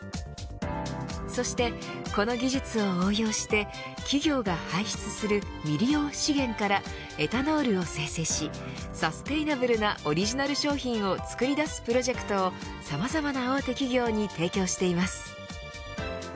そして、この技術を応用して企業が排出する未利用資源からエタノールを生成しサステイナブルなオリジナル商品を作り出すプロジェクトをさまざまな大手企業に提供しています。